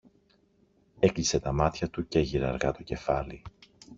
Έκλεισε τα μάτια του κι έγειρε αργά το κεφάλι.